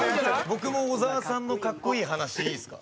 僕も小沢さんの格好いい話いいですか？